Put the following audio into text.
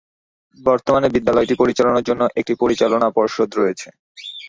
বর্তমানে বিদ্যালয়টি পরিচালনার জন্য একটি পরিচালনা পর্ষদ রয়েছে।